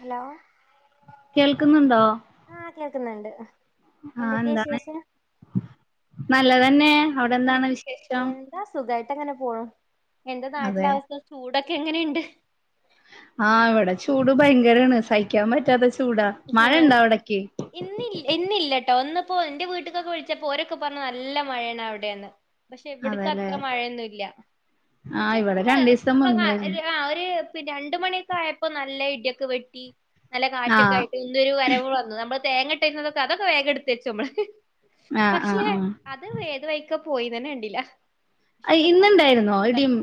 Hello. കേൾക്കുന്നുണ്ടോ ആഹ് കേൾക്കുന്നുണ്ട് ആഹ് എന്തൊക്കെയാ എന്താണ് ശേഷം? നല്ലതന്നെ. അവിടെ മ് എന്താണ് വിശേഷം എന്താ സുഖായിട്ട് അങ്ങനെ പോകും എന്റെ നാട്ടിലെ അതെ അവസ്ഥം ചൂടോ - ക്കെ എങ്ങനെയുണ്ട്? ആഹ് ഇവിടെ ചൂട് ഭയങ്കരണ് സഹിക്കാൻ പറ്റാത്ത- ചൂടാ ആഹ് മഴണ്ടോ അവിടക്ക്? കേട്ട ഒന്നിപ്പോ എന്റെ വീട്ടക്കൊക്കെ വിളിച്ചപ്പോ രൊക്കെ പറഞ്ഞു നല്ല മഴയാണ് അവിടെയന്ന്. പക്ഷെ എവിടക്ക അതെല്ലേ അത്ര മഴയൊന്നുംല്ല. എന്നച്ച ആഹ് ഇവിടെ കഴിഞ്ഞാല് രണ്ടീസം മുന്നേയിരുന്നു നമ്മ ഒരുെ രണ്ട മണിയക്കെ ആയപ്പോ നല്ല- ക്കെ വെട്ടി നല്ല കാറ്റൊക്കെ ആഹ് ആയിട്ട് ഒന്നരു വരവ് വന്നു നമ്മ- തേങ്ങട്ടതൊക്കെ അതൊക്കെ വേഗം എടുത്ത് വച്ച നമ്മള് ആഹ് പക്ഷെ ആഹ് ആഹ് അത് വേത് വഴിക്ക- പോയിന്നന്നെ കണ്ടില്ല, അയ് ഇന്നുണ്ടായിരുന്നോ ഇടിയും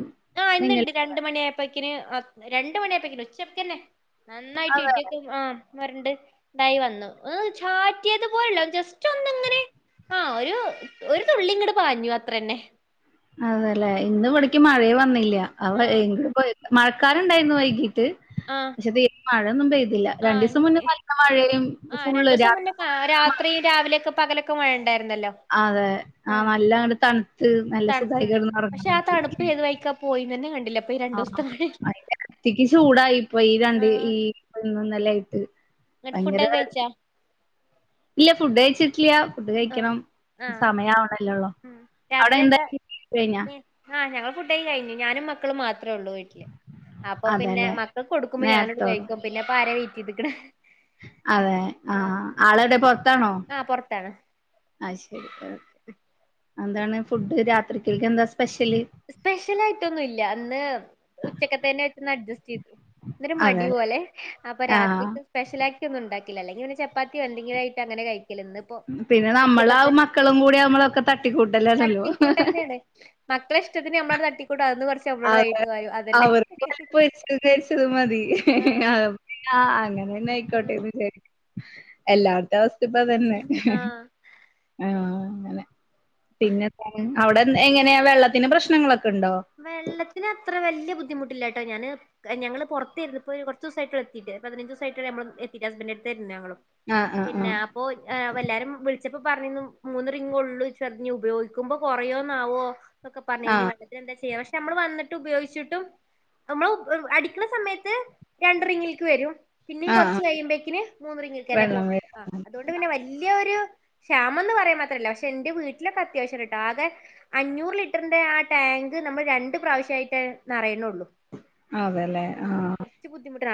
മിന്നൽ കാണുന്നുണ്ട് രണ്ട് മനയായപ്പോ - ക്ക രണ്ട മണിയപ്പക്ക ഉച്ചപ്പന്നെ നന്നായിട്ട് അതെ ഇക്കും ആ- വണ്ട് ണ്ടായി വന്നു ചാറ്റിയത് പോലല്ലോ ജസ്റ്റ് ഒന്ന് ഇങ്ങനെ- ആഹ് ഒരു ഒരു തുള്ളി ഇങ്ങോട് പാഞ്ഞു അത്ര തന്നെ. അതല്ലെ ഇന്ന് ഇവിടേക്ക് മഴയ വന്നില്ല അവ ആ എ പോ മഴക്കാർ ണ്ടായിരുന്നു വൈകിട്ട്- പക്ഷെത് മയൊന്നും പെ - ആഹ് ആ് ഫുള്ള് രണ്ടു ദിവസം രാത്രി മുന്നേ ഫുള്ള് രാത്രി രാവിലെയൊക്കെ പകലൊക്കെ- മഴ ഉണ്ടായിരുന്നല്ലോ. അതെ ആ നല്ല അങ്ങണ്ട് തണുത്ത് നല്ല തണുത്തത് സുഖായികന്ന് ഉറങ്ങാൻ പക്ഷെ ആ പറ്റി. തണുപ്പ് ഏത് വഴിക്കാ പോയിന്ന് തന്നെ കണ്ടില്ല ഇപ്പൊ ഈ ആ രണ്ടൂസത്തെ മഴ അത്തിക്ക് ചൂടായിപ്പൊ ഈ രണ്ട് ഈന്നല്ല- എന്നങ്ങിട്ട് ഫുഡൊക്കെ കഴിച്ചാ? ഇല്ല ഫുഡ് കഴച്ചിട്ടില്ല. ഇത് ആ കഴിക്കണം ആ സമയവണല്ലോള്ളോ ഉം. അവിടെ രാത്രി എന്തായ കഴിഞ്ഞ? ഫുഡ കിഞ്ഞു ഞാനും മക്കള് മാത്രം. അത്രേ ഉള്ളൂ വീട്ടില് അപ്പൊ പിന്നെ അതെല്ലേ മക്കൾക്ക് കൊടുക്കുമ്പോ ഞാനോട് നേരത്തോളൂ കഴിക്കും പിന്നെ അപ്പ ആരെ വെറ്റ് ചെയ്തിക്കണ. അതെ ആഹ ആളോടെ പൊറത്താണോ? ആഹ് പുറത്താണ് ആഹ് ശരി ഓക്കെ എന്താണ് ഫുഡ് രാത്രിക്കൊക്ക് എന്താ? സ്പെഷ്യല് സ്പെഷ്യൽ ആയിട്ടൊന്നുംല്ല അന്ന് ഉച്ചക്കത്തന്നെ ആട്ടന്ന് അഡ്ജസ്റ്റ്- എന്നന്ന മടി അതെല്ലേ പോല്ലെ അപ്പൊ ആഹ് രാത്രിക്ക് സ്പെഷ്യല ആട്ടി ഒന്ന ഉണ്ടാക്കി- അെങ്കിൽന്നെ ചപ്പാത്തി എന്തെങ്കുംയിട്ട്ങ്ങനെ ക പിന്നെ നമ്മൾ ആ മക്കളും കൂടി നമ്മളൊക്കെ തട്ടിക്കൂട്ടലല്ലോ മക്കള ഇഷ്ടന് നമ്മുടെ നട്ടിക്ക കുളോ അതെ. ക്യ അവർക്ക് കൊഴപ്പ വെച്ചത് കരിച്ചത് മതി ആഹ് അങ്ങനെന്നെ ഉം ആയിക്കോട്ടെ എല്ലാത്ത അവസ്ഥ ഇപ്പ അതന്നെ ആഹ് ആഹ അെ പിന്നെ അവിടെ എങ്ങനെയാ വെള്ളത്തിന്റെ പ്രശ്നങ്ങളൊക്കെ ഉണ്ടോ? വെള്ളത്തി ഇതിനന് അത്ര വലിയ ബുദ്ധിമുട്ടില്ല കേട്ടോ ഞാന് ഞങ്ങള് പുറത്തായിര ഇപ്പോ കുറ ദിവസമായിട്ട എത്തിട്ട് പതിനഞ്ച് ദിവസമായിട്ട ഹസ്ബെന്റട്ത്തീർന്നു ഞങ്ങള് ആഹ് ആഹ് പിന്നെ ആഹ് എല്ലാരും വിളിച്ചപ്പോ പച്ചപ്പ പറഞ്ഞന്ന് മൂന്ന് റിംഗ ഉള്ളൂ ചഞ് ഉപയോഗിക്ക്പോ കുറേന്നാവുമോ എന്നൊക്കെ പറഞ്ഞ ആഹ് ഇ ചെയ്യ പക്ഷെ നമ്മള് വന്നിട്ട് ഉപയോഗിച്ചിട്ടും നമ്മൾ അടിക്കുന്ന സമയത്ത് രണ്ടറിങ്ങിലേക്ക് വരും പിന്നേം ആഹ് കൊറച്ച് ആഹ് കഴിയുമ്പേക്കിന് മൂന്ന റിങ്ങക്ക് തന്നെ വെള്ളം പോകുന്നുണ്ട് വരും. അതുകൊണ്ട് പിന്നെ വലിയൊ ഒരു ശ്യാമ എന്ന് പറയാൻ മാത്രല്ല പക്ഷെ എന്റെ വീട്ടിലൊക്കെ അത്യാവശ്യം കട്ടോ ആകെ അഞ്ഞൂറ് ലിറ്ററിന്റെ ആ ടാങ്ക് നമ്മൾ രണ്ണ്ട് പ്രാവശ്യയിട്ടെ നിറയണൂള്ളൂ അതെല്ലേ ആഹ്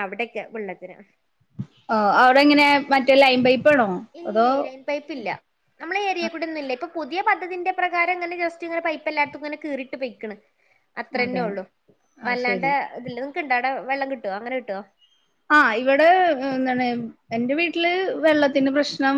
അവിടേക്കെ വെള്ളത്തിന് ആഹ് അവിടെങ്ങനെ മറ്റേ ലൈൻ പൈപ്പാണോ അതോ നമ്മള ഏയ കൂ ഒന്ന ഇപ്പൊ പുതിയ പദ്ധതിന്റെ പ്രകംങ്ങനെ ജസ്റ്റ് ഇങ്ങെ പൈപ്പ എല്ലടത്തുംങ്ങനെ കീറിട്ട് പെയക്കണ് അത്ര തന്നെയ അതെ ഉള്ളു അത് അല്ലാണ്ട് ശരി. ഇതില്ല നിങ്ങക്ക് ഇണ്ടാടെ വെള്ളം കിട്ടുവോ അങ്ങനെ കിട്ടുവോ ആഹ് ഇവിടെ എന്താണ് എന്റെ വീട്ടില് വെള്ളത്തിന്റെ പ്രശ്നം